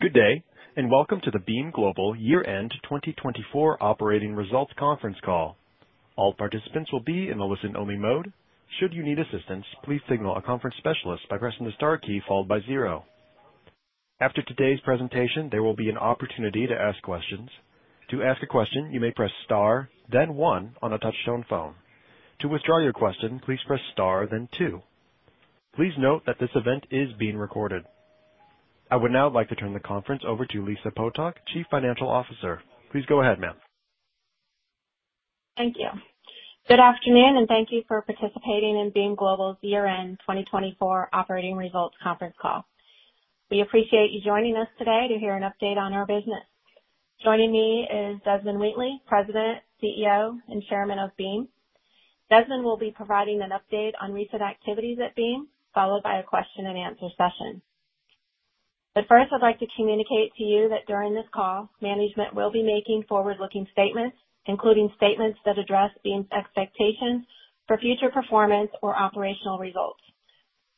Good day, and welcome to the Beam Global Year-End 2024 Operating Results conference call. All participants will be in a listen-only mode. Should you need assistance, please signal a conference specialist by pressing the star key followed by zero. After today's presentation, there will be an opportunity to ask questions. To ask a question, you may press star, then one on a touchstone phone. To withdraw your question, please press star, then two. Please note that this event is being recorded. I would now like to turn the conference over to Lisa Potok, Chief Financial Officer. Please go ahead, ma'am. Thank you. Good afternoon, and thank you for participating in Beam Global's Year-End 2024 Operating Results Conference Call. We appreciate you joining us today to hear an update on our business. Joining me is Desmond Wheatley, President, CEO, and Chairman of Beam. Desmond will be providing an update on recent activities at Beam, followed by a question-and-answer session. First, I'd like to communicate to you that during this call, management will be making forward-looking statements, including statements that address Beam's expectations for future performance or operational results.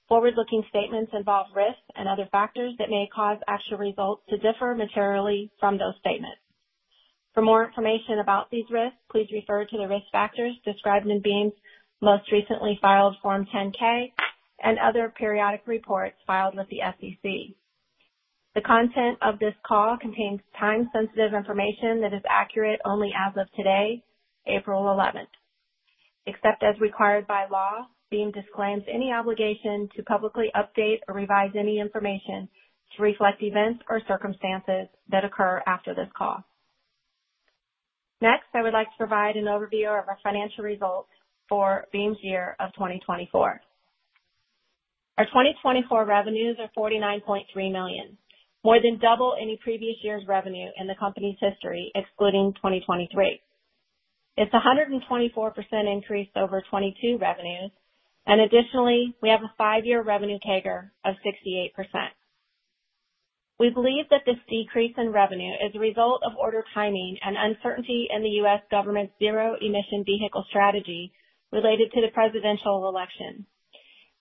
Forward-looking statements involve risks and other factors that may cause actual results to differ materially from those statements. For more information about these risks, please refer to the risk factors described in Beam's most recently filed Form 10-K and other periodic reports filed with the SEC. The content of this call contains time-sensitive information that is accurate only as of today, April 11th. Except as required by law, Beam disclaims any obligation to publicly update or revise any information to reflect events or circumstances that occur after this call. Next, I would like to provide an overview of our financial results for Beam's year of 2024. Our 2024 revenues are $49.3 million, more than double any previous year's revenue in the company's history, excluding 2023. It's a 124% increase over 2022 revenues, and additionally, we have a five-year revenue CAGR of 68%. We believe that this decrease in revenue is a result of order timing and uncertainty in the U.S. government's zero-emission vehicle strategy related to the presidential election.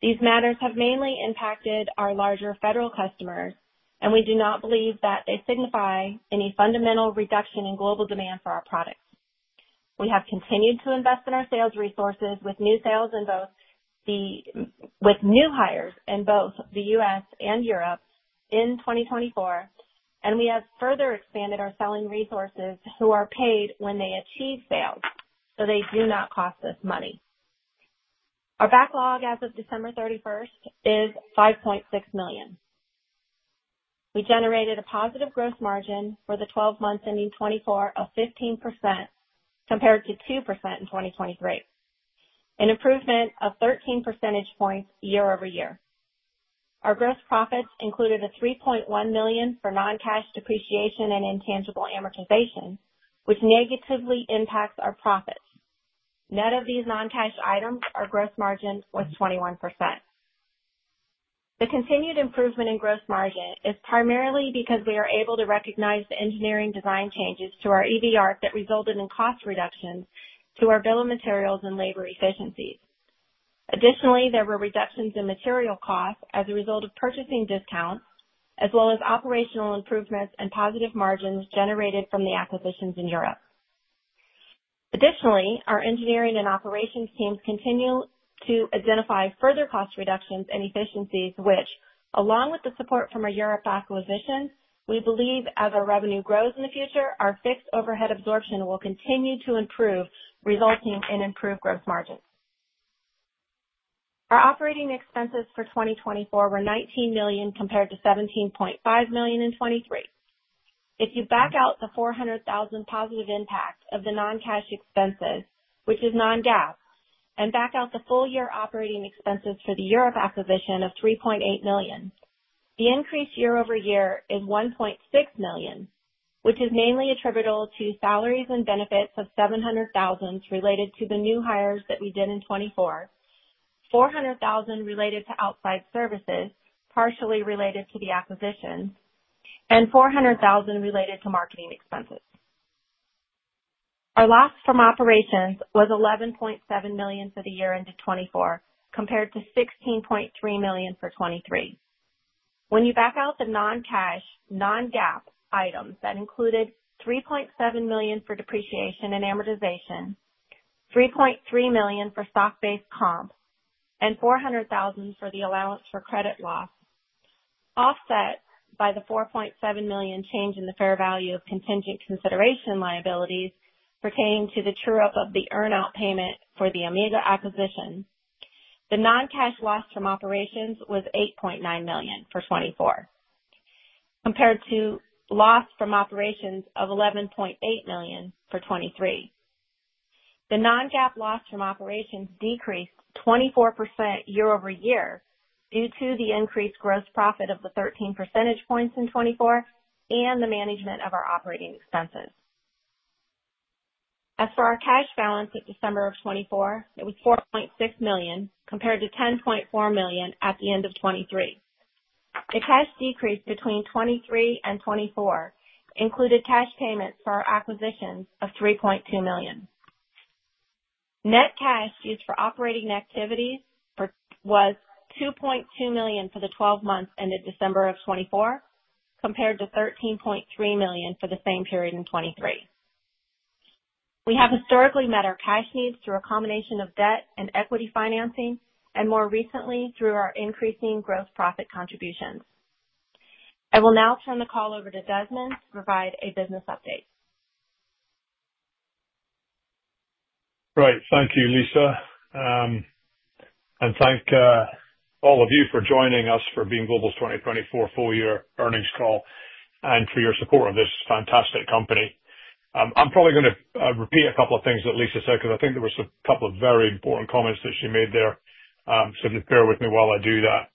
These matters have mainly impacted our larger federal customers, and we do not believe that they signify any fundamental reduction in global demand for our products. We have continued to invest in our sales resources with new sales in both the U.S. and Europe in 2024, and we have further expanded our selling resources who are paid when they achieve sales, so they do not cost us money. Our backlog as of December 31st is $5.6 million. We generated a positive gross margin for the 12 months ending 2024 of 15% compared to 2% in 2023, an improvement of 13 percentage points year-over-year. Our gross profits included a $3.1 million for non-cash depreciation and intangible amortization, which negatively impacts our profits. Net of these non-cash items, our gross margin was 21%. The continued improvement in gross margin is primarily because we are able to recognize the engineering design changes to our EV ARC that resulted in cost reductions to our bill of materials and labor efficiencies. Additionally, there were reductions in material costs as a result of purchasing discounts, as well as operational improvements and positive margins generated from the acquisitions in Europe. Additionally, our engineering and operations teams continue to identify further cost reductions and efficiencies, which, along with the support from our Europe acquisition, we believe as our revenue grows in the future, our fixed overhead absorption will continue to improve, resulting in improved gross margins. Our operating expenses for 2024 were $19 million compared to $17.5 million in 2023. If you back out the $400,000 positive impact of the non-cash expenses, which is non-GAAP, and back out the full-year operating expenses for the Europe acquisition of $3.8 million, the increase year over year is $1.6 million, which is mainly attributable to salaries and benefits of $700,000 related to the new hires that we did in 2024, $400,000 related to outside services, partially related to the acquisition, and $400,000 related to marketing expenses. Our loss from operations was $11.7 million for the year-end of 2024 compared to $16.3 million for 2023. When you back out the non-cash, non-GAAP items that included $3.7 million for depreciation and amortization, $3.3 million for stock-based comp, and $400,000 for the allowance for credit loss, offset by the $4.7 million change in the fair value of contingent consideration liabilities pertaining to the true-up of the earn-out payment for the Omega acquisition, the non-cash loss from operations was $8.9 million for 2024, compared to loss from operations of $11.8 million for 2023. The non-GAAP loss from operations decreased 24% year-over-year due to the increased gross profit of the 13 percentage points in 2024 and the management of our operating expenses. As for our cash balance of December of 2024, it was $4.6 million compared to $10.4 million at the end of 2023. The cash decrease between 2023 and 2024 included cash payments for our acquisitions of $3.2 million. Net cash used for operating activities was $2.2 million for the 12 months ended December of 2024, compared to $13.3 million for the same period in 2023. We have historically met our cash needs through a combination of debt and equity financing, and more recently through our increasing gross profit contributions. I will now turn the call over to Desmond to provide a business update. Great. Thank you, Lisa. Thank all of you for joining us for Beam Global's 2024 full-year earnings call and for your support of this fantastic company. I'm probably going to repeat a couple of things that Lisa said because I think there were a couple of very important comments that she made there. Just bear with me while I do that.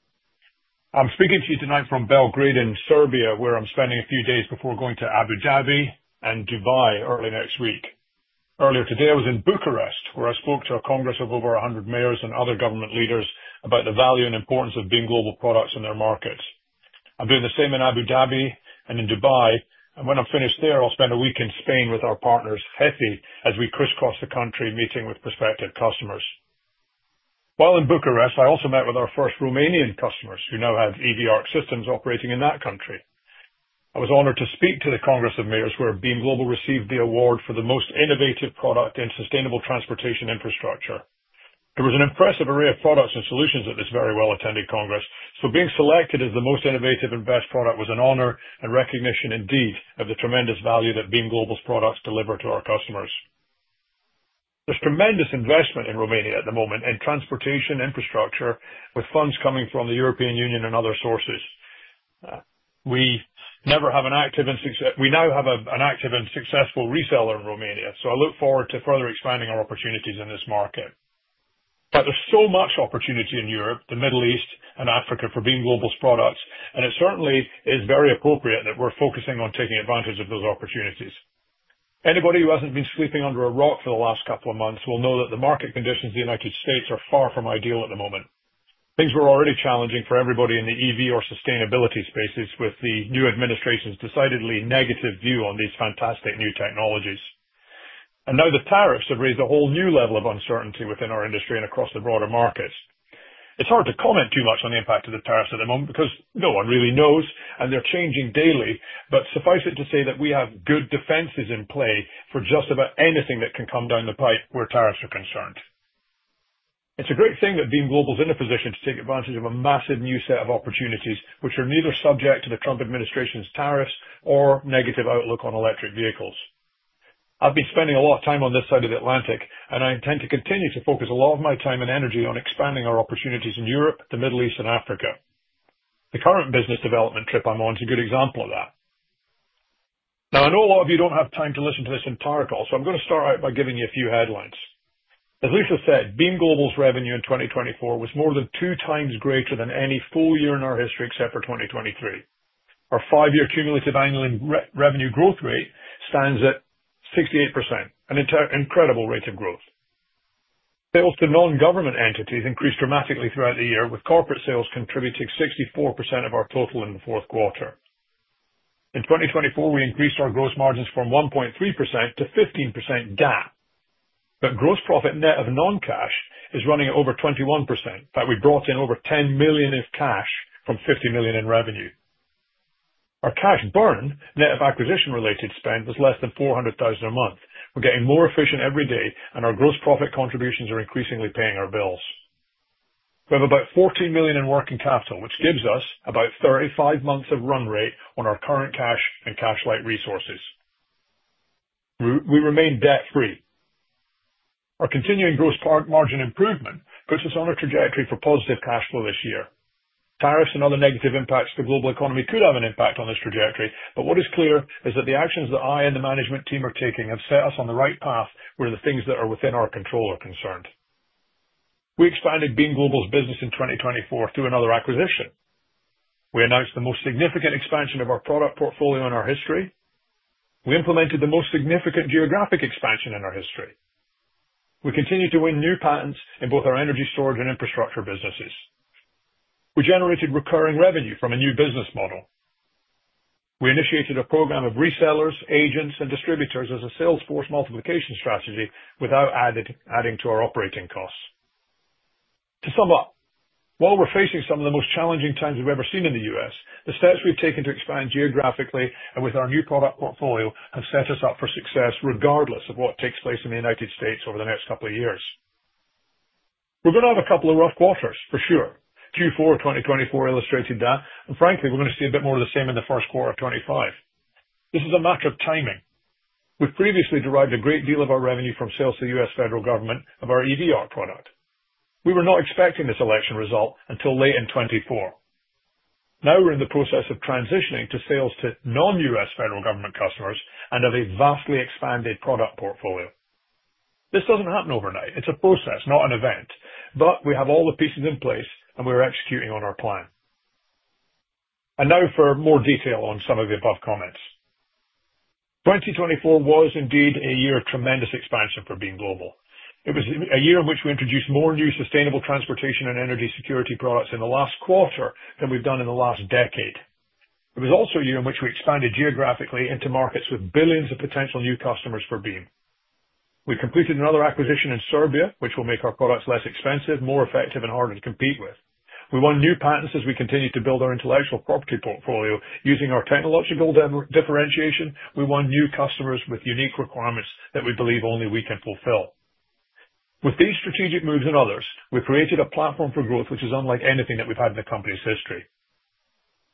I'm speaking to you tonight from Belgrade in Serbia, where I'm spending a few days before going to Abu Dhabi and Dubai early next week. Earlier today, I was in Bucharest, where I spoke to a congress of over 100 mayors and other government leaders about the value and importance of Beam Global products in their markets. I'm doing the same in Abu Dhabi and in Dubai, and when I'm finished there, I'll spend a week in Spain with our partners, HETI, as we crisscross the country meeting with prospective customers. While in Bucharest, I also met with our first Romanian customers, who now have EV ARC systems operating in that country. I was honored to speak to the Congress of Mayors, where Beam Global received the award for the most innovative product in sustainable transportation infrastructure. There was an impressive array of products and solutions at this very well-attended congress, so being selected as the most innovative and best product was an honor and recognition indeed of the tremendous value that Beam Global's products deliver to our customers. There's tremendous investment in Romania at the moment in transportation infrastructure, with funds coming from the European Union and other sources. We now have an active and successful reseller in Romania, so I look forward to further expanding our opportunities in this market. There's so much opportunity in Europe, the Middle East, and Africa for Beam Global's products, and it certainly is very appropriate that we're focusing on taking advantage of those opportunities. Anybody who hasn't been sleeping under a rock for the last couple of months will know that the market conditions in the U.S. are far from ideal at the moment. Things were already challenging for everybody in the EV or sustainability spaces with the new administration's decidedly negative view on these fantastic new technologies. Now the tariffs have raised a whole new level of uncertainty within our industry and across the broader markets. It's hard to comment too much on the impact of the tariffs at the moment because no one really knows, and they're changing daily, but suffice it to say that we have good defenses in play for just about anything that can come down the pipe where tariffs are concerned. It's a great thing that Beam Global's in a position to take advantage of a massive new set of opportunities, which are neither subject to the Trump administration's tariffs or negative outlook on electric vehicles. I've been spending a lot of time on this side of the Atlantic, and I intend to continue to focus a lot of my time and energy on expanding our opportunities in Europe, the Middle East, and Africa. The current business development trip I'm on is a good example of that. Now, I know a lot of you don't have time to listen to this entire call, so I'm going to start out by giving you a few headlines. As Lisa said, Beam Global's revenue in 2024 was more than two times greater than any full year in our history except for 2023. Our five-year cumulative annual revenue growth rate stands at 68%, an incredible rate of growth. Sales to non-government entities increased dramatically throughout the year, with corporate sales contributing 64% of our total in the fourth quarter. In 2024, we increased our gross margins from 1.3% -15% GAAP, but gross profit net of non-cash is running at over 21%. In fact, we brought in over $10 million of cash from $50 million in revenue. Our cash burn net of acquisition-related spend was less than $400,000 a month. We're getting more efficient every day, and our gross profit contributions are increasingly paying our bills. We have about $14 million in working capital, which gives us about 35 months of run rate on our current cash and cash-like resources. We remain debt-free. Our continuing gross margin improvement puts us on a trajectory for positive cash flow this year. Tariffs and other negative impacts to the global economy could have an impact on this trajectory, but what is clear is that the actions that I and the management team are taking have set us on the right path where the things that are within our control are concerned. We expanded Beam Global's business in 2024 through another acquisition. We announced the most significant expansion of our product portfolio in our history. We implemented the most significant geographic expansion in our history. We continue to win new patents in both our energy storage and infrastructure businesses. We generated recurring revenue from a new business model. We initiated a program of resellers, agents, and distributors as a sales force multiplication strategy without adding to our operating costs. To sum up, while we're facing some of the most challenging times we've ever seen in the U.S., the steps we've taken to expand geographically and with our new product portfolio have set us up for success regardless of what takes place in the United States over the next couple of years. We're going to have a couple of rough quarters, for sure. Q4 2024 illustrated that, and frankly, we're going to see a bit more of the same in the first quarter of 2025. This is a matter of timing. We've previously derived a great deal of our revenue from sales to the U.S. federal government of our EV ARC product. We were not expecting this election result until late in 2024. Now we're in the process of transitioning to sales to non-U.S. federal government customers and of a vastly expanded product portfolio. This does not happen overnight. It's a process, not an event, but we have all the pieces in place, and we're executing on our plan. Now for more detail on some of the above comments. 2024 was indeed a year of tremendous expansion for Beam Global. It was a year in which we introduced more new sustainable transportation and energy security products in the last quarter than we've done in the last decade. It was also a year in which we expanded geographically into markets with billions of potential new customers for Beam. We completed another acquisition in Serbia, which will make our products less expensive, more effective, and harder to compete with. We won new patents as we continued to build our intellectual property portfolio. Using our technological differentiation, we won new customers with unique requirements that we believe only we can fulfill. With these strategic moves and others, we've created a platform for growth which is unlike anything that we've had in the company's history.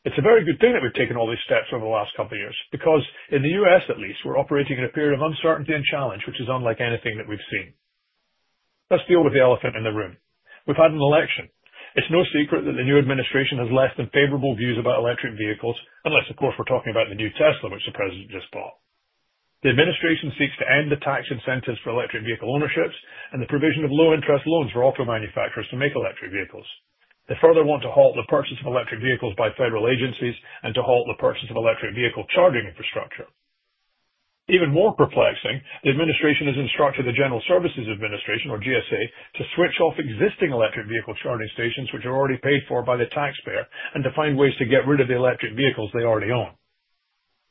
It's a very good thing that we've taken all these steps over the last couple of years because, in the U.S. at least, we're operating in a period of uncertainty and challenge, which is unlike anything that we've seen. Let's deal with the elephant in the room. We've had an election. It's no secret that the new administration has less than favorable views about electric vehicles, unless, of course, we're talking about the new Tesla, which the president just bought. The administration seeks to end the tax incentives for electric vehicle ownerships and the provision of low-interest loans for auto manufacturers to make electric vehicles. They further want to halt the purchase of electric vehicles by federal agencies and to halt the purchase of electric vehicle charging infrastructure. Even more perplexing, the administration has instructed the General Services Administration, or GSA, to switch off existing electric vehicle charging stations, which are already paid for by the taxpayer, and to find ways to get rid of the electric vehicles they already own.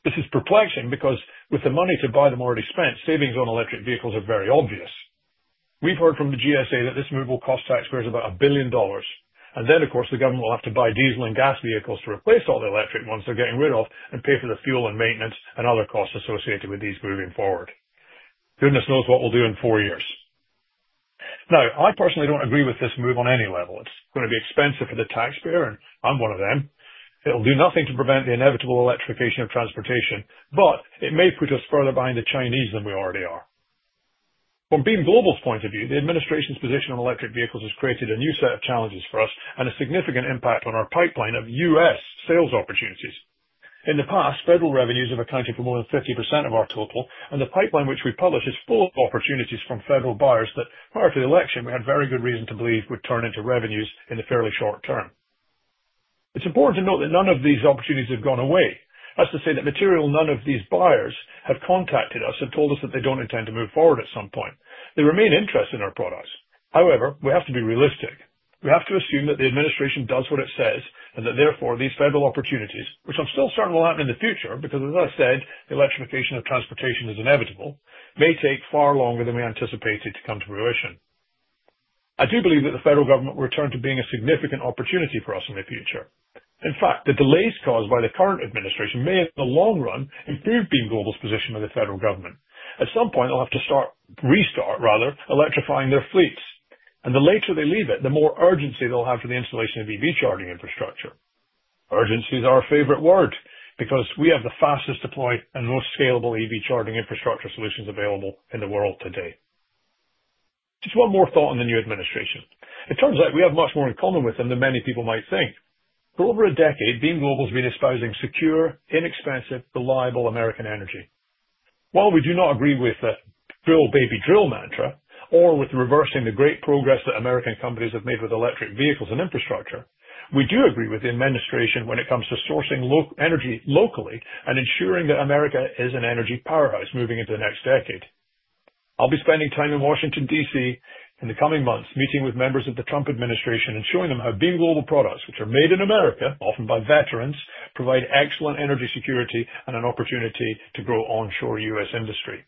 This is perplexing because, with the money to buy them already spent, savings on electric vehicles are very obvious. We've heard from the GSA that this move will cost taxpayers about $1 billion, and then, of course, the government will have to buy diesel and gas vehicles to replace all the electric ones they're getting rid of and pay for the fuel and maintenance and other costs associated with these moving forward. Goodness knows what we'll do in four years. Now, I personally don't agree with this move on any level. It's going to be expensive for the taxpayer, and I'm one of them. It'll do nothing to prevent the inevitable electrification of transportation, but it may put us further behind the Chinese than we already are. From Beam Global's point of view, the administration's position on electric vehicles has created a new set of challenges for us and a significant impact on our pipeline of U.S. sales opportunities. In the past, federal revenues have accounted for more than 50% of our total, and the pipeline which we publish is full of opportunities from federal buyers that, prior to the election, we had very good reason to believe would turn into revenues in the fairly short term. It's important to note that none of these opportunities have gone away. That's to say that material none of these buyers have contacted us and told us that they don't intend to move forward at some point. They remain interested in our products. However, we have to be realistic. We have to assume that the administration does what it says and that, therefore, these federal opportunities, which I'm still certain will happen in the future because, as I said, the electrification of transportation is inevitable, may take far longer than we anticipated to come to fruition. I do believe that the federal government will return to being a significant opportunity for us in the future. In fact, the delays caused by the current administration may, in the long run, improve Beam Global's position with the federal government. At some point, they'll have to start—restart, rather—electrifying their fleets. The later they leave it, the more urgency they'll have for the installation of EV charging infrastructure. Urgency is our favorite word because we have the fastest deployed and most scalable EV charging infrastructure solutions available in the world today. Just one more thought on the new administration. It turns out we have much more in common with them than many people might think. For over a decade, Beam Global has been espousing secure, inexpensive, reliable American energy. While we do not agree with the drill, baby, drill mantra or with reversing the great progress that American companies have made with electric vehicles and infrastructure, we do agree with the administration when it comes to sourcing energy locally and ensuring that America is an energy powerhouse moving into the next decade. I'll be spending time in Washington, D.C., in the coming months, meeting with members of the Trump administration and showing them how Beam Global products, which are made in America, often by veterans, provide excellent energy security and an opportunity to grow onshore U.S. industry.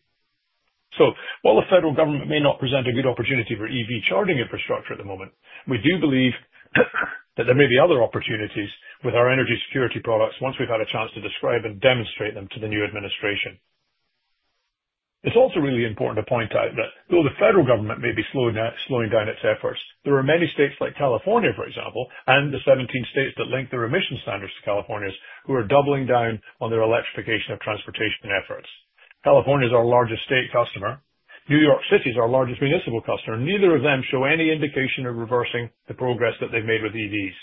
While the federal government may not present a good opportunity for EV charging infrastructure at the moment, we do believe that there may be other opportunities with our energy security products once we've had a chance to describe and demonstrate them to the new administration. It's also really important to point out that, though the federal government may be slowing down its efforts, there are many states like California, for example, and the 17 states that link their emission standards to California's, who are doubling down on their electrification of transportation efforts. California's our largest state customer. New York City's our largest municipal customer. Neither of them show any indication of reversing the progress that they've made with EVs.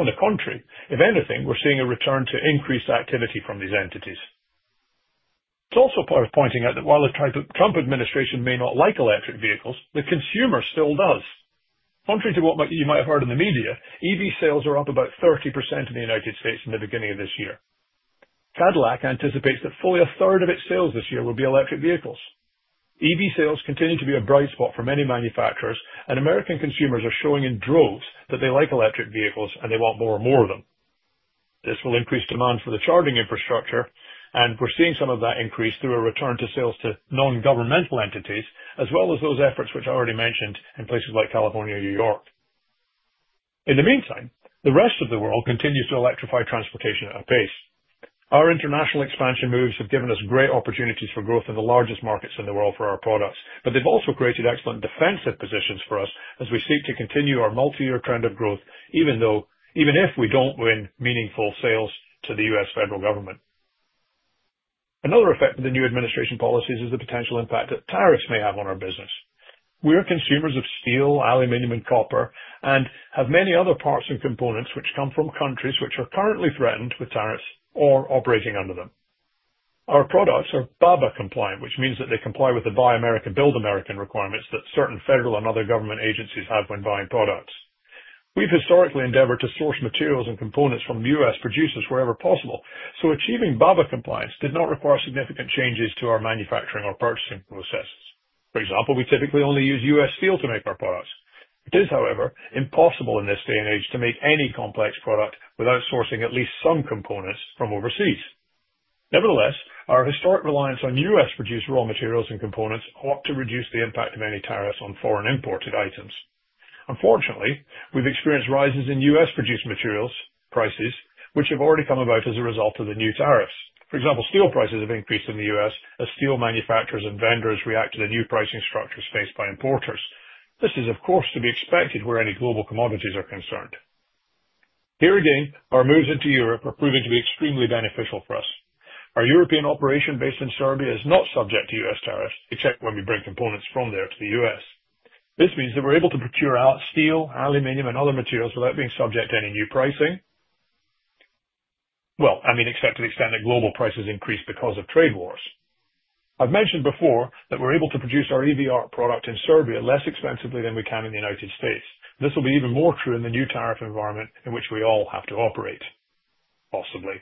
On the contrary, if anything, we're seeing a return to increased activity from these entities. It's also worth pointing out that, while the Trump administration may not like electric vehicles, the consumer still does. Contrary to what you might have heard in the media, EV sales are up about 30% in the United States in the beginning of this year. Cadillac anticipates that fully a third of its sales this year will be electric vehicles. EV sales continue to be a bright spot for many manufacturers, and American consumers are showing in droves that they like electric vehicles and they want more and more of them. This will increase demand for the charging infrastructure, and we're seeing some of that increase through a return to sales to non-governmental entities, as well as those efforts which I already mentioned in places like California and New York. In the meantime, the rest of the world continues to electrify transportation at a pace. Our international expansion moves have given us great opportunities for growth in the largest markets in the world for our products, but they've also created excellent defensive positions for us as we seek to continue our multi-year trend of growth, even if we don't win meaningful sales to the U.S. federal government. Another effect of the new administration policies is the potential impact that tariffs may have on our business. We are consumers of steel, aluminum, and copper, and have many other parts and components which come from countries which are currently threatened with tariffs or operating under them. Our products are BABA compliant, which means that they comply with the Buy America, Build America requirements that certain federal and other government agencies have when buying products. We've historically endeavored to source materials and components from U.S. producers wherever possible, so achieving BABA compliance did not require significant changes to our manufacturing or purchasing processes. For example, we typically only use U.S. steel to make our products. It is, however, impossible in this day and age to make any complex product without sourcing at least some components from overseas. Nevertheless, our historic reliance on U.S.-produced raw materials and components ought to reduce the impact of any tariffs on foreign imported items. Unfortunately, we've experienced rises in U.S.-produced materials prices, which have already come about as a result of the new tariffs. For example, steel prices have increased in the U.S. as steel manufacturers and vendors react to the new pricing structures faced by importers. This is, of course, to be expected where any global commodities are concerned. Here again, our moves into Europe are proving to be extremely beneficial for us. Our European operation based in Serbia is not subject to U.S. tariffs, except when we bring components from there to the U.S. This means that we're able to procure steel, aluminum, and other materials without being subject to any new pricing. I mean, except to the extent that global prices increase because of trade wars. I've mentioned before that we're able to produce our EV ARC product in Serbia less expensively than we can in the United States. This will be even more true in the new tariff environment in which we all have to operate, possibly.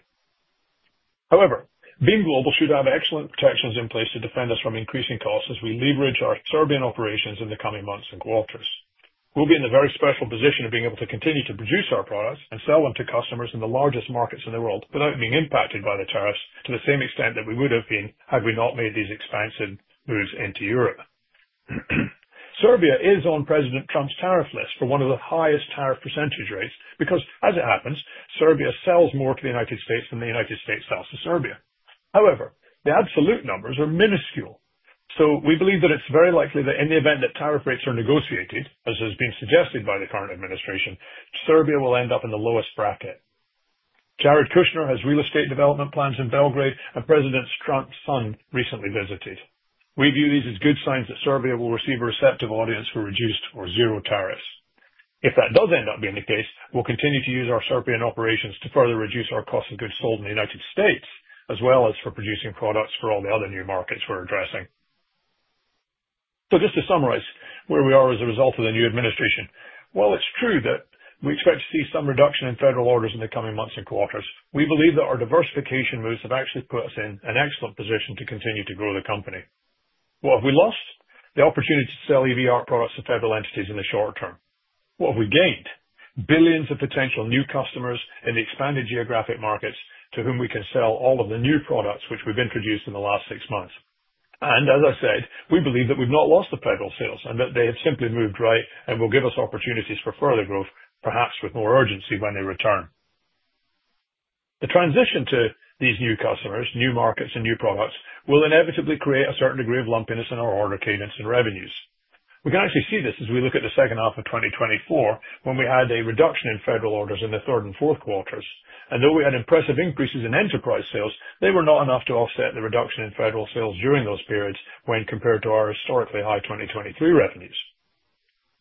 However, Beam Global should have excellent protections in place to defend us from increasing costs as we leverage our Serbian operations in the coming months and quarters. We'll be in a very special position of being able to continue to produce our products and sell them to customers in the largest markets in the world without being impacted by the tariffs to the same extent that we would have been had we not made these expansive moves into Europe. Serbia is on President Trump's tariff list for one of the highest tariff percentage rates because, as it happens, Serbia sells more to the United States than the United States sells to Serbia. However, the absolute numbers are minuscule, so we believe that it's very likely that, in the event that tariff rates are negotiated, as has been suggested by the current administration, Serbia will end up in the lowest bracket. Jared Kushner has real estate development plans in Belgrade, and President Trump's son recently visited. We view these as good signs that Serbia will receive a receptive audience for reduced or zero tariffs. If that does end up being the case, we'll continue to use our Serbian operations to further reduce our cost of goods sold in the United States, as well as for producing products for all the other new markets we're addressing. Just to summarize where we are as a result of the new administration, while it's true that we expect to see some reduction in federal orders in the coming months and quarters, we believe that our diversification moves have actually put us in an excellent position to continue to grow the company. What have we lost? The opportunity to sell EV ARC products to federal entities in the short term. What have we gained? Billions of potential new customers in the expanded geographic markets to whom we can sell all of the new products which we've introduced in the last six months. As I said, we believe that we've not lost the federal sales and that they have simply moved right and will give us opportunities for further growth, perhaps with more urgency when they return. The transition to these new customers, new markets, and new products will inevitably create a certain degree of lumpiness in our order cadence and revenues. We can actually see this as we look at the second half of 2024, when we had a reduction in federal orders in the third and fourth quarters. Though we had impressive increases in enterprise sales, they were not enough to offset the reduction in federal sales during those periods when compared to our historically high 2023 revenues.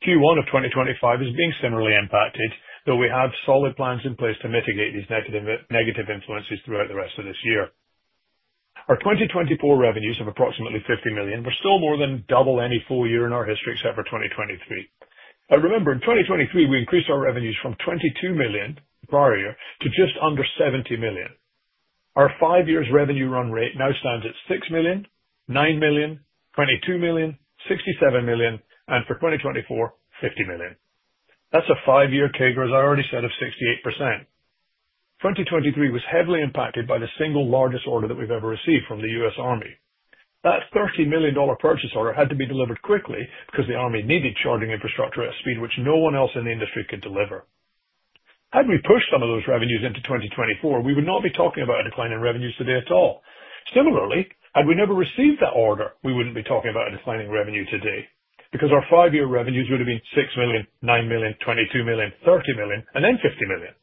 Q1 of 2025 is being similarly impacted, though we have solid plans in place to mitigate these negative influences throughout the rest of this year. Our 2024 revenues of approximately $50 million were still more than double any full year in our history except for 2023. Remember, in 2023, we increased our revenues from $22 million the prior year to just under $70 million. Our five-year revenue run rate now stands at $6 million, $9 million, $22 million, $67 million, and for 2024, $50 million. That's a five-year CAGR, as I already said, of 68%. 2023 was heavily impacted by the single largest order that we've ever received from the U.S. Army. That $30 million purchase order had to be delivered quickly because the Army needed charging infrastructure at a speed which no one else in the industry could deliver. Had we pushed some of those revenues into 2024, we would not be talking about a decline in revenues today at all. Similarly, had we never received that order, we wouldn't be talking about a decline in revenue today because our five-year revenues would have been $6 million, $9 million, $22 million, $30 million, and then $50 million.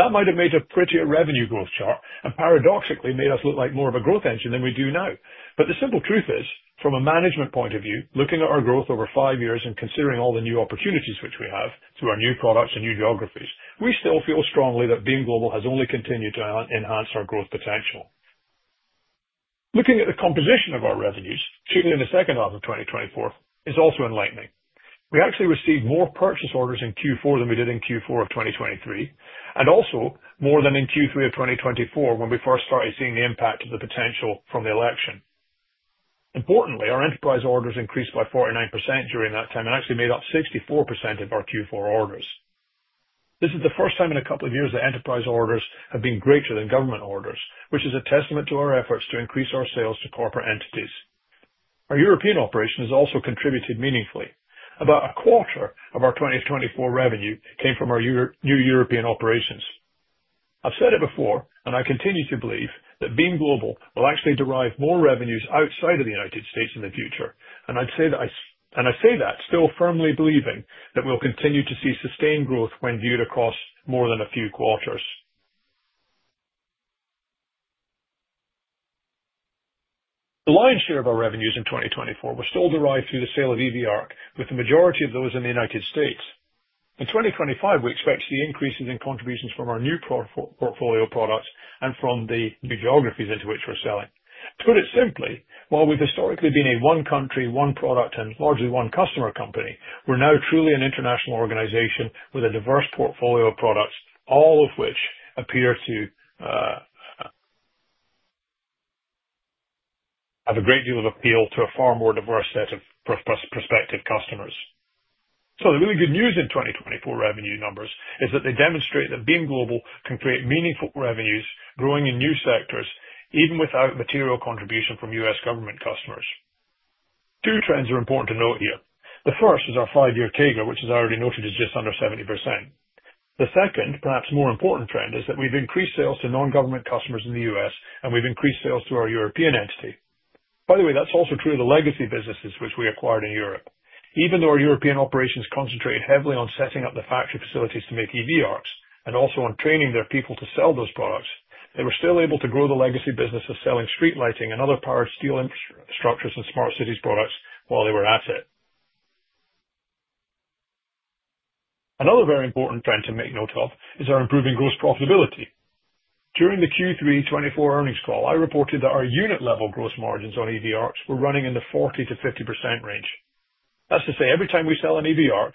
That might have made a prettier revenue growth chart and, paradoxically, made us look like more of a growth engine than we do now. The simple truth is, from a management point of view, looking at our growth over five years and considering all the new opportunities which we have through our new products and new geographies, we still feel strongly that Beam Global has only continued to enhance our growth potential. Looking at the composition of our revenues in the second half of 2024 is also enlightening. We actually received more purchase orders in Q4 than we did in Q4 of 2023, and also more than in Q3 of 2024 when we first started seeing the impact of the potential from the election. Importantly, our enterprise orders increased by 49% during that time and actually made up 64% of our Q4 orders. This is the first time in a couple of years that enterprise orders have been greater than government orders, which is a testament to our efforts to increase our sales to corporate entities. Our European operation has also contributed meaningfully. About a quarter of our 2024 revenue came from our new European operations. I have said it before, and I continue to believe that Beam Global will actually derive more revenues outside of the U.S. in the future. I say that still firmly believing that we will continue to see sustained growth when viewed across more than a few quarters. The lion's share of our revenues in 2024 was still derived through the sale of EV ARC, with the majority of those in the U.S. In 2025, we expect to see increases in contributions from our new portfolio products and from the new geographies into which we're selling. To put it simply, while we've historically been a one-country, one-product, and largely one-customer company, we're now truly an international organization with a diverse portfolio of products, all of which appear to have a great deal of appeal to a far more diverse set of prospective customers. The really good news in 2024 revenue numbers is that they demonstrate that Beam Global can create meaningful revenues, growing in new sectors even without material contribution from U.S. government customers. Two trends are important to note here. The first is our five-year CAGR, which is already noted as just under 70%. The second, perhaps more important trend, is that we've increased sales to non-government customers in the U.S., and we've increased sales to our European entity. By the way, that's also true of the legacy businesses which we acquired in Europe. Even though our European operations concentrate heavily on setting up the factory facilities to make EV ARCs and also on training their people to sell those products, they were still able to grow the legacy business of selling street lighting and other powered steel infrastructure structures and smart cities products while they were at it. Another very important trend to make note of is our improving gross profitability. During the Q3 2024 earnings call, I reported that our unit-level gross margins on EV ARCs were running in the 40-50% range. That's to say, every time we sell an EV ARC,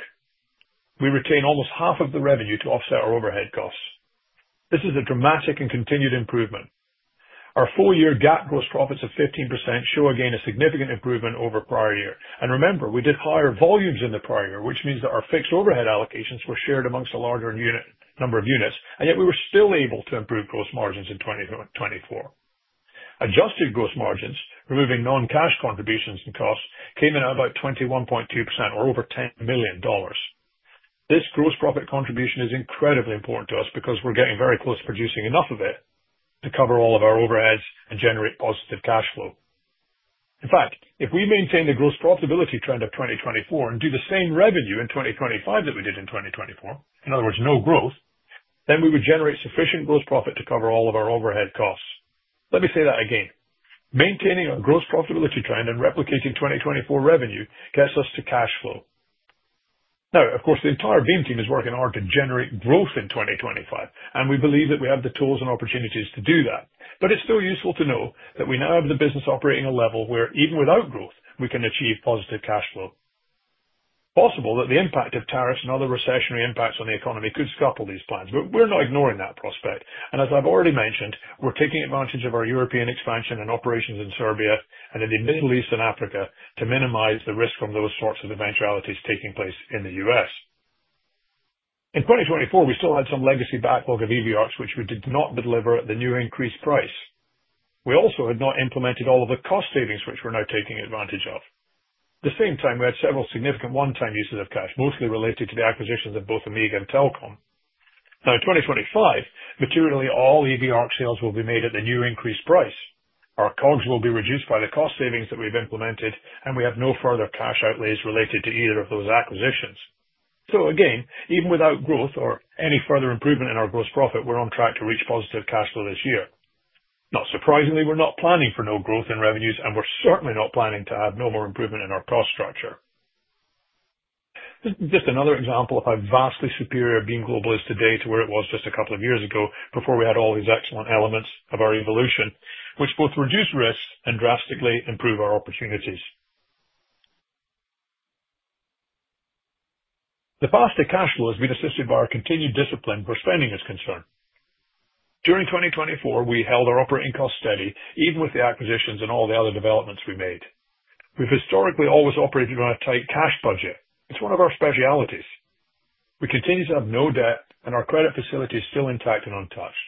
we retain almost half of the revenue to offset our overhead costs. This is a dramatic and continued improvement. Our four-year GAAP gross profits of 15% show again a significant improvement over the prior year. Remember, we did higher volumes in the prior year, which means that our fixed overhead allocations were shared amongst a larger number of units, and yet we were still able to improve gross margins in 2024. Adjusted gross margins, removing non-cash contributions and costs, came in at about 21.2% or over $10 million. This gross profit contribution is incredibly important to us because we're getting very close to producing enough of it to cover all of our overheads and generate positive cash flow. In fact, if we maintain the gross profitability trend of 2024 and do the same revenue in 2025 that we did in 2024, in other words, no growth, then we would generate sufficient gross profit to cover all of our overhead costs. Let me say that again. Maintaining our gross profitability trend and replicating 2024 revenue gets us to cash flow. Now, of course, the entire Beam team is working hard to generate growth in 2025, and we believe that we have the tools and opportunities to do that. It is still useful to know that we now have the business operating at a level where, even without growth, we can achieve positive cash flow. It is possible that the impact of tariffs and other recessionary impacts on the economy could scupper these plans, but we are not ignoring that prospect. As I have already mentioned, we are taking advantage of our European expansion and operations in Serbia and in the Middle East and Africa to minimize the risk from those sorts of eventualities taking place in the U.S. In 2024, we still had some legacy backlog of EV ARCs, which we did not deliver at the new increased price. We also had not implemented all of the cost savings which we're now taking advantage of. At the same time, we had several significant one-time uses of cash, mostly related to the acquisitions of both Amiga and Telcom. Now, in 2025, materially, all EV ARC sales will be made at the new increased price. Our COGS will be reduced by the cost savings that we've implemented, and we have no further cash outlays related to either of those acquisitions. Again, even without growth or any further improvement in our gross profit, we're on track to reach positive cash flow this year. Not surprisingly, we're not planning for no growth in revenues, and we're certainly not planning to have no more improvement in our cost structure. Just another example of how vastly superior Beam Global is today to where it was just a couple of years ago before we had all these excellent elements of our evolution, which both reduce risks and drastically improve our opportunities. The path to cash flow has been assisted by our continued discipline for spending is concerned. During 2024, we held our operating costs steady, even with the acquisitions and all the other developments we made. We have historically always operated on a tight cash budget. It's one of our specialties. We continue to have no debt, and our credit facility is still intact and untouched.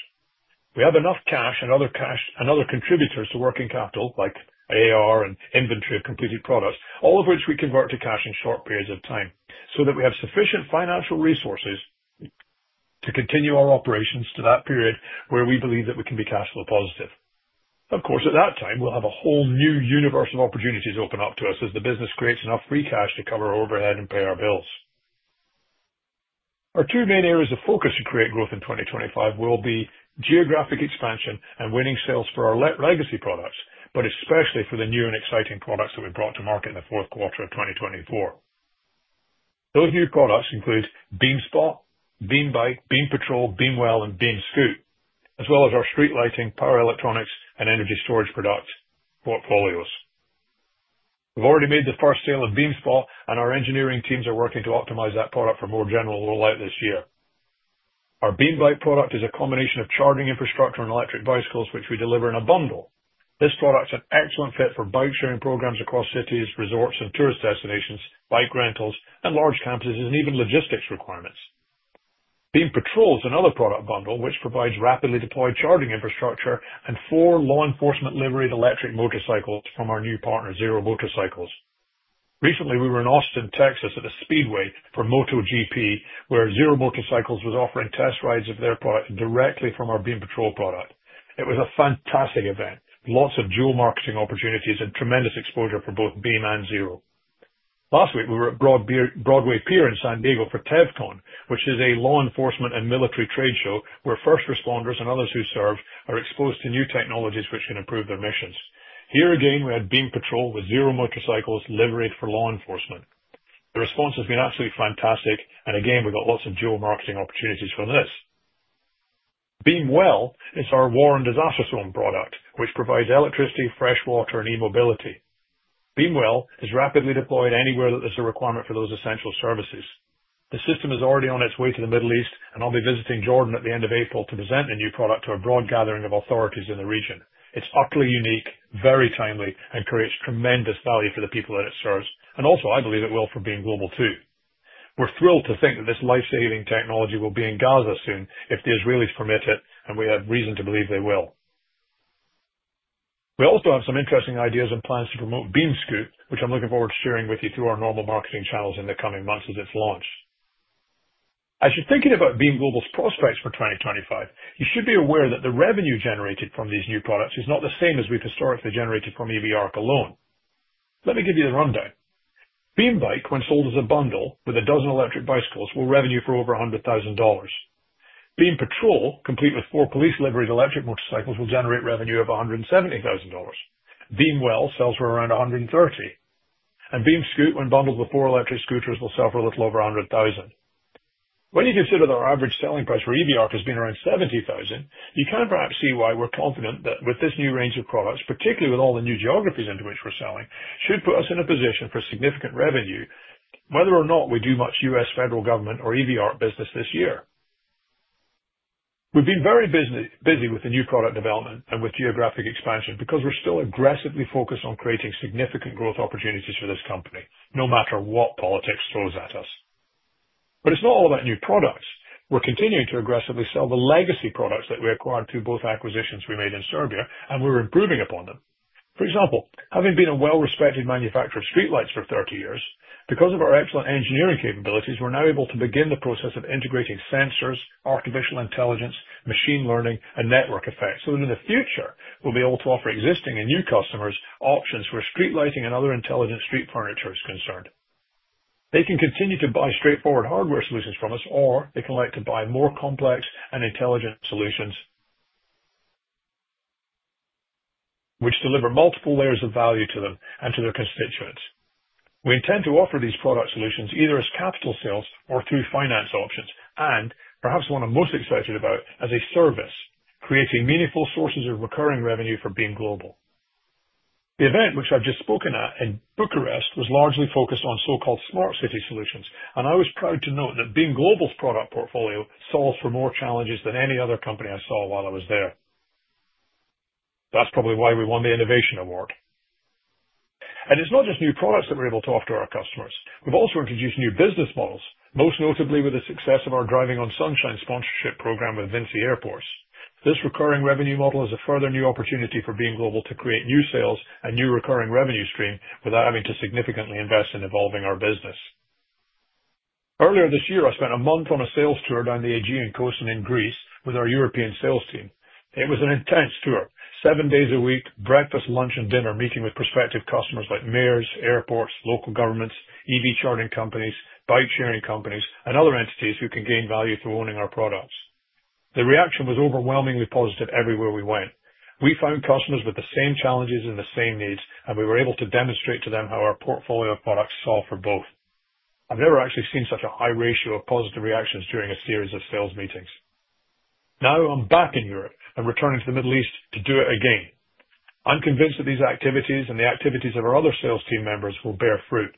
We have enough cash and other contributors to working capital like AR and inventory of completed products, all of which we convert to cash in short periods of time so that we have sufficient financial resources to continue our operations to that period where we believe that we can be cash flow positive. Of course, at that time, we will have a whole new universe of opportunities open up to us as the business creates enough free cash to cover our overhead and pay our bills. Our two main areas of focus to create growth in 2025 will be geographic expansion and winning sales for our legacy products, but especially for the new and exciting products that we brought to market in the fourth quarter of 2024. Those new products include BeamSpot, BeamBike, BeamPetrol, BeamWell, and BeamScoop, as well as our street lighting, power electronics, and energy storage product portfolios. We've already made the first sale of BeamSpot, and our engineering teams are working to optimize that product for more general roll-out this year. Our BeamBike product is a combination of charging infrastructure and electric bicycles, which we deliver in a bundle. This product is an excellent fit for bike-sharing programs across cities, resorts, and tourist destinations, bike rentals, and large campuses, and even logistics requirements. BeamPetrol is another product bundle which provides rapidly deployed charging infrastructure and four law enforcement-liveried electric motorcycles from our new partner, Zero Motorcycles. Recently, we were in Austin, Texas, at a speedway for MotoGP, where Zero Motorcycles was offering test rides of their product directly from our BeamPetrol product. It was a fantastic event, lots of dual marketing opportunities, and tremendous exposure for both Beam and Zero. Last week, we were at Broadway Pier in San Diego for TevCon, which is a law enforcement and military trade show where first responders and others who serve are exposed to new technologies which can improve their missions. Here again, we had BeamPetrol with Zero Motorcycles liberated for law enforcement. The response has been absolutely fantastic, and again, we got lots of dual marketing opportunities from this. BeamWell is our war and disaster zone product, which provides electricity, fresh water, and e-mobility. BeamWell is rapidly deployed anywhere that there's a requirement for those essential services. The system is already on its way to the Middle East, and I'll be visiting Jordan at the end of April to present the new product to a broad gathering of authorities in the region. It's utterly unique, very timely, and creates tremendous value for the people that it serves. I believe it will for Beam Global too. We're thrilled to think that this lifesaving technology will be in Gaza soon if the Israelis permit it, and we have reason to believe they will. We also have some interesting ideas and plans to promote BeamScoop, which I'm looking forward to sharing with you through our normal marketing channels in the coming months as it's launched. As you're thinking about Beam Global's prospects for 2025, you should be aware that the revenue generated from these new products is not the same as we've historically generated from EV ARC alone. Let me give you the rundown. BeamBike, when sold as a bundle with a dozen electric bicycles, will revenue for over $100,000. BeamPetrol, complete with four police-liberated electric motorcycles, will generate revenue of $170,000. BeamWell sells for around $130,000. BeamScoop, when bundled with four electric scooters, will sell for a little over $100,000. When you consider that our average selling price for EV ARC has been around $70,000, you can perhaps see why we're confident that with this new range of products, particularly with all the new geographies into which we're selling, it should put us in a position for significant revenue, whether or not we do much U.S. federal government or EV ARC business this year. We've been very busy with the new product development and with geographic expansion because we're still aggressively focused on creating significant growth opportunities for this company, no matter what politics throws at us. It's not all about new products. We're continuing to aggressively sell the legacy products that we acquired through both acquisitions we made in Serbia, and we're improving upon them. For example, having been a well-respected manufacturer of street lights for 30 years, because of our excellent engineering capabilities, we're now able to begin the process of integrating sensors, artificial intelligence, machine learning, and network effects so that in the future, we'll be able to offer existing and new customers options for street lighting and other intelligent street furniture is concerned. They can continue to buy straightforward hardware solutions from us, or they can like to buy more complex and intelligent solutions which deliver multiple layers of value to them and to their constituents. We intend to offer these product solutions either as capital sales or through finance options, and perhaps the one I'm most excited about as a service, creating meaningful sources of recurring revenue for Beam Global. The event which I've just spoken at in Bucharest was largely focused on so-called smart city solutions, and I was proud to note that Beam Global's product portfolio solves for more challenges than any other company I saw while I was there. That's probably why we won the Innovation Award. It's not just new products that we're able to offer to our customers. We've also introduced new business models, most notably with the success of our Driving on Sunshine sponsorship program with VINCI Airports. This recurring revenue model is a further new opportunity for Beam Global to create new sales and new recurring revenue stream without having to significantly invest in evolving our business. Earlier this year, I spent a month on a sales tour down the Aegean coast and in Greece with our European sales team. It was an intense tour. Seven days a week, breakfast, lunch, and dinner meeting with prospective customers like mayors, airports, local governments, EV charging companies, bike-sharing companies, and other entities who can gain value through owning our products. The reaction was overwhelmingly positive everywhere we went. We found customers with the same challenges and the same needs, and we were able to demonstrate to them how our portfolio of products solve for both. I've never actually seen such a high ratio of positive reactions during a series of sales meetings. Now I'm back in Europe and returning to the Middle East to do it again. I'm convinced that these activities and the activities of our other sales team members will bear fruit.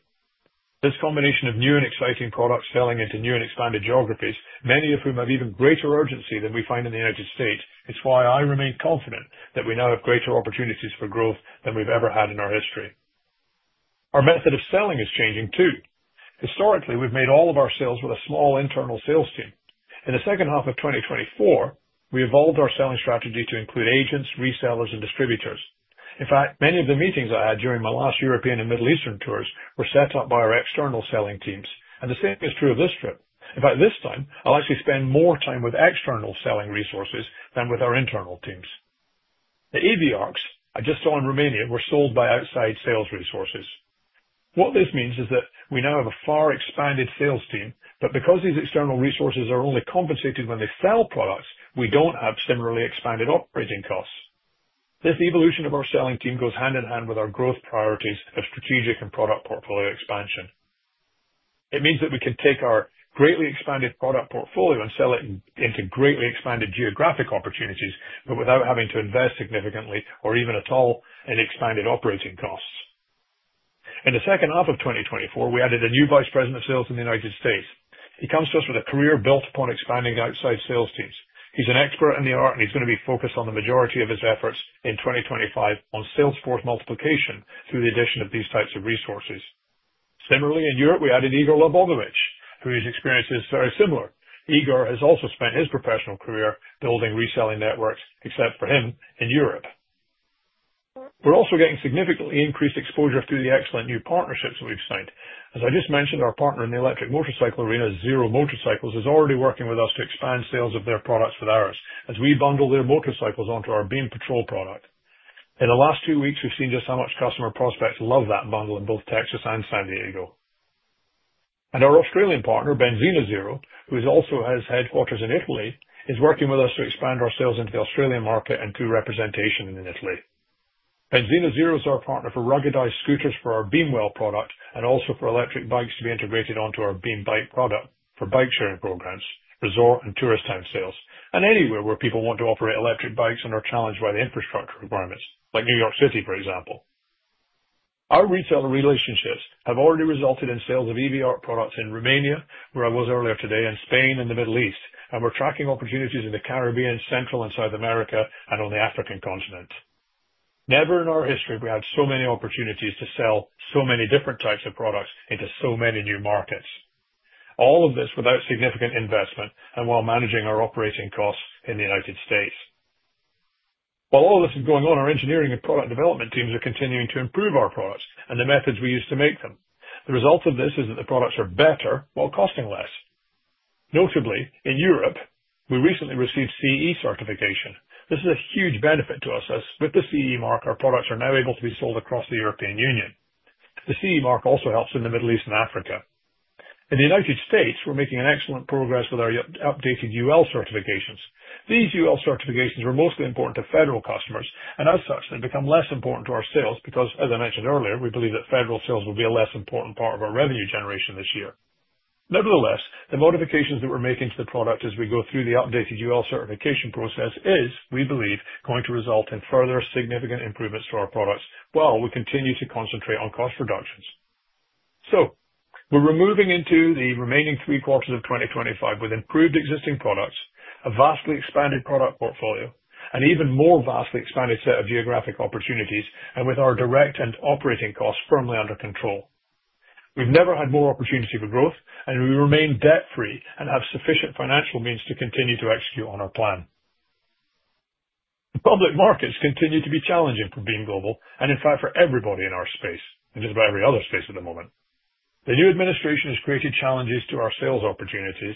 This combination of new and exciting products selling into new and expanded geographies, many of whom have even greater urgency than we find in the U.S., is why I remain confident that we now have greater opportunities for growth than we've ever had in our history. Our method of selling is changing too. Historically, we've made all of our sales with a small internal sales team. In the second half of 2024, we evolved our selling strategy to include agents, resellers, and distributors. In fact, many of the meetings I had during my last European and Middle Eastern tours were set up by our external selling teams, and the same is true of this trip. In fact, this time, I'll actually spend more time with external selling resources than with our internal teams. The EV ARCs I just saw in Romania were sold by outside sales resources. What this means is that we now have a far expanded sales team, but because these external resources are only compensated when they sell products, we don't have similarly expanded operating costs. This evolution of our selling team goes hand in hand with our growth priorities of strategic and product portfolio expansion. It means that we can take our greatly expanded product portfolio and sell it into greatly expanded geographic opportunities, but without having to invest significantly or even at all in expanded operating costs. In the second half of 2024, we added a new Vice President of Sales in the United States. He comes to us with a career built upon expanding outside sales teams. He's an expert in the art, and he's going to be focused on the majority of his efforts in 2025 on sales force multiplication through the addition of these types of resources. Similarly, in Europe, we added Igor Labović, whose experience is very similar. Igor has also spent his professional career building reselling networks, except for him in Europe. We're also getting significantly increased exposure through the excellent new partnerships that we've signed. As I just mentioned, our partner in the electric motorcycle arena, Zero Motorcycles, is already working with us to expand sales of their products with ours as we bundle their motorcycles onto our BeamPetrol product. In the last two weeks, we've seen just how much customer prospects love that bundle in both Texas and San Diego. Our Australian partner, Benzina Zero, who also has headquarters in Italy, is working with us to expand our sales into the Australian market and through representation in Italy. Benzina Zero is our partner for ruggedized scooters for our BeamWell product and also for electric bikes to be integrated onto our BeamBike product for bike-sharing programs, resort and tourist town sales, and anywhere where people want to operate electric bikes and are challenged by the infrastructure requirements, like New York City, for example. Our reseller relationships have already resulted in sales of EV ARC products in Romania, where I was earlier today, and Spain and the Middle East, and we're tracking opportunities in the Caribbean, Central and South America, and on the African continent. Never in our history have we had so many opportunities to sell so many different types of products into so many new markets. All of this without significant investment and while managing our operating costs in the United States. While all of this is going on, our engineering and product development teams are continuing to improve our products and the methods we use to make them. The result of this is that the products are better while costing less. Notably, in Europe, we recently received CE certification. This is a huge benefit to us as with the CE mark, our products are now able to be sold across the European Union. The CE mark also helps in the Middle East and Africa. In the U.S., we're making excellent progress with our updated UL certifications. These UL certifications were mostly important to federal customers, and as such, they become less important to our sales because, as I mentioned earlier, we believe that federal sales will be a less important part of our revenue generation this year. Nevertheless, the modifications that we're making to the product as we go through the updated UL certification process is, we believe, going to result in further significant improvements to our products while we continue to concentrate on cost reductions. We are moving into the remaining three quarters of 2025 with improved existing products, a vastly expanded product portfolio, an even more vastly expanded set of geographic opportunities, and with our direct and operating costs firmly under control. We've never had more opportunity for growth, and we remain debt-free and have sufficient financial means to continue to execute on our plan. Public markets continue to be challenging for Beam Global and, in fact, for everybody in our space, and just about every other space at the moment. The new administration has created challenges to our sales opportunities,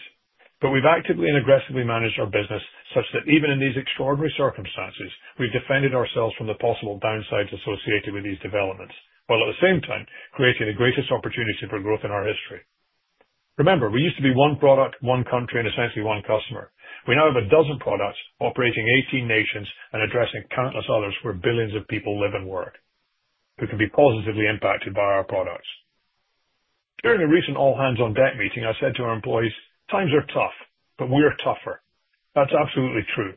but we've actively and aggressively managed our business such that even in these extraordinary circumstances, we've defended ourselves from the possible downsides associated with these developments, while at the same time creating the greatest opportunity for growth in our history. Remember, we used to be one product, one country, and essentially one customer. We now have a dozen products operating in 18 nations and addressing countless others where billions of people live and work who can be positively impacted by our products. During a recent all-hands-on-deck meeting, I said to our employees, "Times are tough, but we're tougher." That's absolutely true.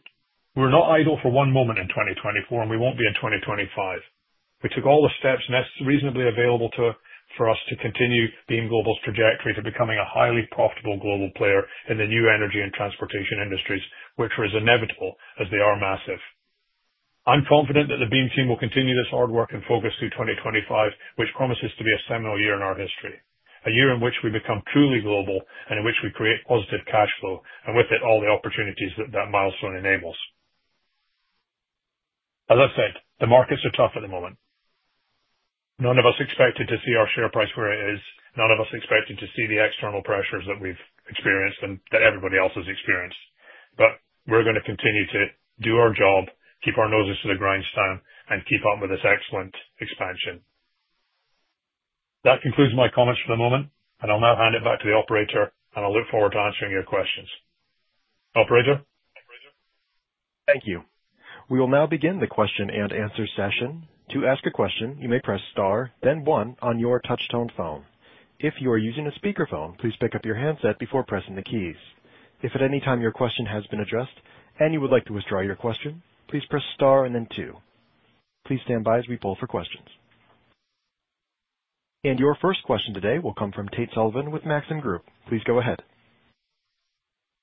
We're not idle for one moment in 2024, and we won't be in 2025. We took all the steps necessary, reasonably available to us to continue Beam Global's trajectory to becoming a highly profitable global player in the new energy and transportation industries, which are as inevitable as they are massive. I'm confident that the Beam team will continue this hard work and focus through 2025, which promises to be a seminal year in our history, a year in which we become truly global and in which we create positive cash flow, and with it, all the opportunities that that milestone enables. As I said, the markets are tough at the moment. None of us expected to see our share price where it is. None of us expected to see the external pressures that we've experienced and that everybody else has experienced. We are going to continue to do our job, keep our noses to the grindstone, and keep up with this excellent expansion. That concludes my comments for the moment, and I'll now hand it back to the operator, and I'll look forward to answering your questions. Operator? Thank you. We will now begin the question and answer session. To ask a question, you may press star, then one on your touch-tone phone. If you are using a speakerphone, please pick up your handset before pressing the keys. If at any time your question has been addressed and you would like to withdraw your question, please press star and then two. Please stand by as we pull for questions. Your first question today will come from Tate Sullivan with Maxim Group. Please go ahead.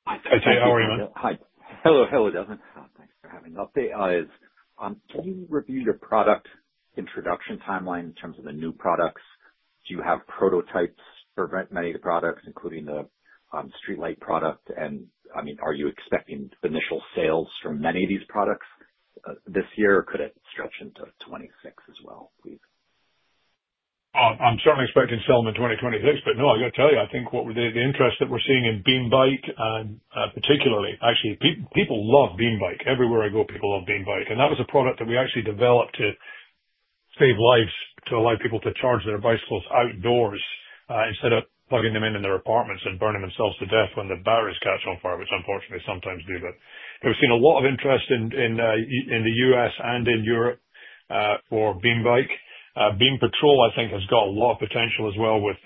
Tate, how are you? Hi. Hello, hello, Desmond. Thanks for having me. Tate, can you review your product introduction timeline in terms of the new products? Do you have prototypes for many of the products, including the street light product? I mean, are you expecting initial sales for many of these products this year, or could it stretch into 2026 as well, please? I'm certainly expecting selling in 2026, but no, I got to tell you, I think the interest that we're seeing in BeamBike, and particularly, actually, people love BeamBike. Everywhere I go, people love BeamBike. That was a product that we actually developed to save lives, to allow people to charge their bicycles outdoors instead of plugging them in in their apartments and burning themselves to death when the batteries catch on fire, which unfortunately sometimes do. We have seen a lot of interest in the U.S. and in Europe for BeamBike. BeamPetrol, I think, has got a lot of potential as well with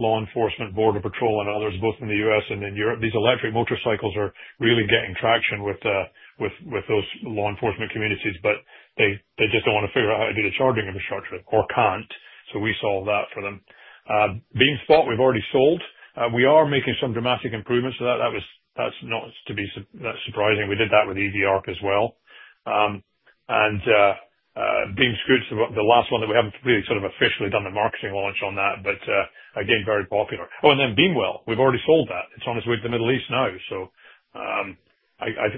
law enforcement, border patrol, and others, both in the U.S. and in Europe. These electric motorcycles are really getting traction with those law enforcement communities, but they just do not want to figure out how to do the charging infrastructure or cannot. We solve that for them. BeamSpot, we've already sold. We are making some dramatic improvements. That's not to be surprising. We did that with EV ARC as well. And BeamScoot is the last one that we haven't really sort of officially done the marketing launch on, but again, very popular. Oh, and then BeamWell. We've already sold that. It's on its way to the Middle East now.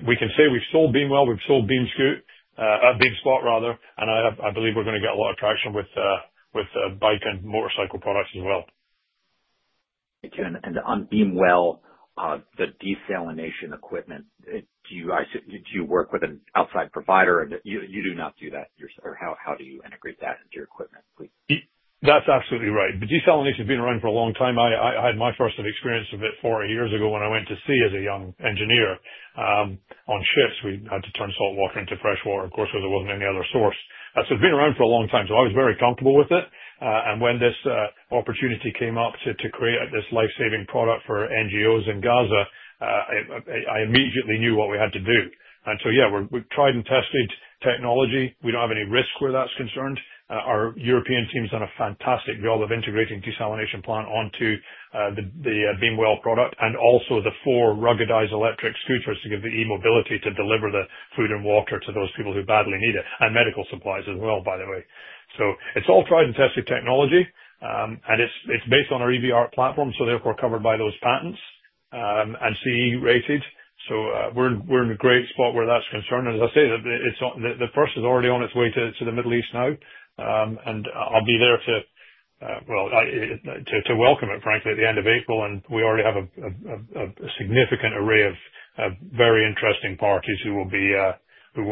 We can say we've sold BeamWell. We've sold BeamScoot, BeamSpot, rather. I believe we're going to get a lot of traction with bike and motorcycle products as well. On BeamWell, the desalination equipment, do you work with an outside provider? You do not do that yourself, or how do you integrate that into your equipment? That's absolutely right. The desalination has been around for a long time. I had my first experience of it four years ago when I went to sea as a young engineer on ships. We had to turn salt water into fresh water, of course, because there wasn't any other source. It has been around for a long time. I was very comfortable with it. When this opportunity came up to create this lifesaving product for NGOs in Gaza, I immediately knew what we had to do. Yeah, we have tried and tested technology. We do not have any risk where that's concerned. Our European team's done a fantastic job of integrating desalination plant onto the BeamWell product and also the four ruggedized electric scooters to give the e-mobility to deliver the food and water to those people who badly need it, and medical supplies as well, by the way. It is all tried and tested technology, and it is based on our EV ARC platform, so therefore covered by those patents and CE rated. We are in a great spot where that is concerned. As I say, the first is already on its way to the Middle East now. I will be there to, well, to welcome it, frankly, at the end of April. We already have a significant array of very interesting parties who will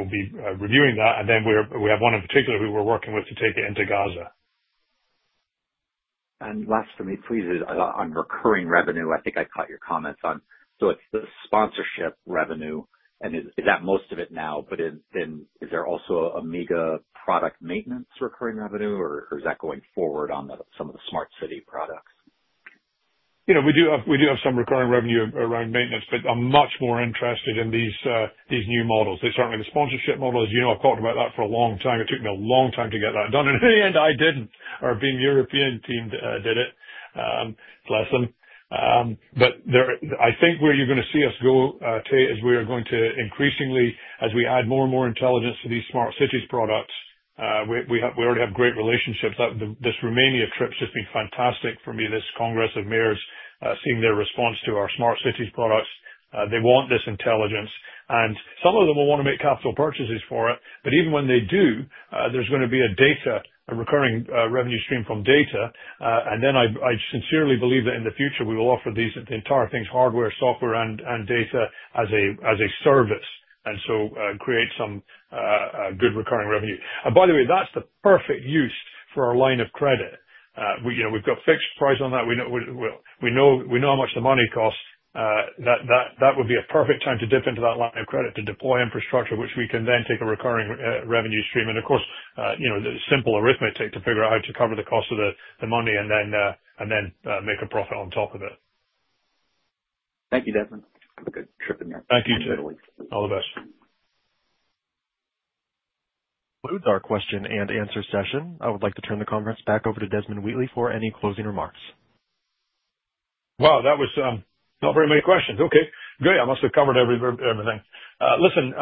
be reviewing that. We have one in particular who we are working with to take it into Gaza. Last for me, please, on recurring revenue. I think I caught your comments on, so it's the sponsorship revenue, and is that most of it now? Is there also a mega product maintenance recurring revenue, or is that going forward on some of the smart city products? We do have some recurring revenue around maintenance, but I'm much more interested in these new models. Certainly, the sponsorship models, you know I've talked about that for a long time. It took me a long time to get that done. In the end, I didn't, our Beam European team did it. Bless them. I think where you're going to see us go, Tate, is we are going to increasingly, as we add more and more intelligence to these smart cities products, we already have great relationships. This Romania trip has just been fantastic for me, this Congress of Mayors, seeing their response to our smart cities products. They want this intelligence. Some of them will want to make capital purchases for it. Even when they do, there's going to be a data, a recurring revenue stream from data. I sincerely believe that in the future, we will offer these entire things, hardware, software, and data as a service, and so create some good recurring revenue. By the way, that's the perfect use for our line of credit. We've got fixed price on that. We know how much the money costs. That would be a perfect time to dip into that line of credit to deploy infrastructure, which we can then take a recurring revenue stream. Of course, the simple arithmetic to figure out how to cover the cost of the money and then make a profit on top of it. Thank you, Desmond. Have a good trip in your. Thank you, too. All the best. Closed our question and answer session. I would like to turn the conference back over to Desmond Wheatley for any closing remarks. Wow, that was not very many questions. Okay. Great. I must have covered everything. Listen,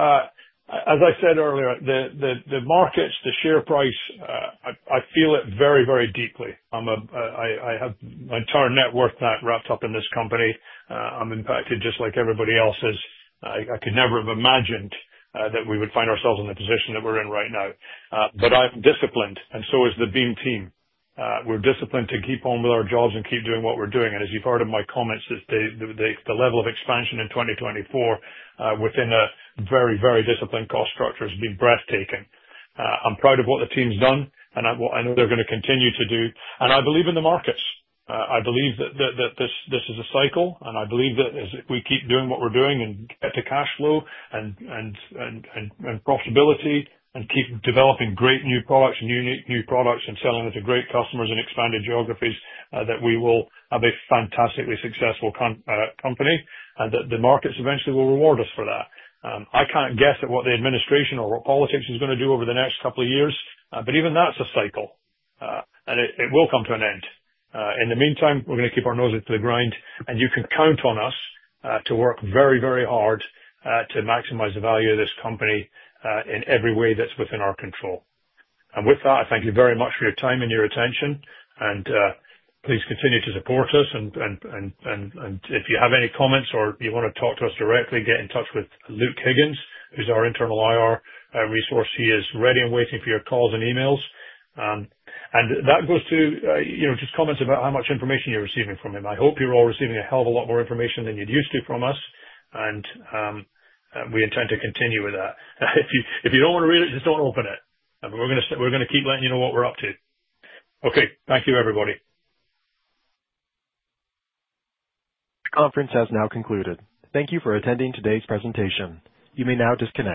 as I said earlier, the markets, the share price, I feel it very, very deeply. I have my entire net worth now wrapped up in this company. I'm impacted just like everybody else's. I could never have imagined that we would find ourselves in the position that we're in right now. I am disciplined, and so is the Beam team. We're disciplined to keep on with our jobs and keep doing what we're doing. As you've heard in my comments, the level of expansion in 2024 within a very, very disciplined cost structure has been breathtaking. I'm proud of what the team's done, and I know they're going to continue to do. I believe in the markets. I believe that this is a cycle, and I believe that if we keep doing what we're doing and get to cash flow and profitability and keep developing great new products and unique new products and selling them to great customers in expanded geographies, we will have a fantastically successful company and that the markets eventually will reward us for that. I can't guess at what the administration or what politics is going to do over the next couple of years, but even that's a cycle, and it will come to an end. In the meantime, we're going to keep our nose to the grind, and you can count on us to work very, very hard to maximize the value of this company in every way that's within our control. With that, I thank you very much for your time and your attention. Please continue to support us. If you have any comments or you want to talk to us directly, get in touch with Luke Higgins, who's our internal IR resource. He is ready and waiting for your calls and emails. That goes to just comments about how much information you're receiving from him. I hope you're all receiving a hell of a lot more information than you'd used to from us, and we intend to continue with that. If you don't want to read it, just don't open it. We're going to keep letting you know what we're up to. Okay. Thank you, everybody. The conference has now concluded. Thank you for attending today's presentation. You may now disconnect.